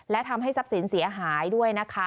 และทำให้ทรัพย์สินเสียหายด้วยนะคะ